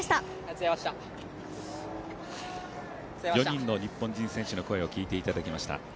４人の日本人選手の声を聞いていただきました。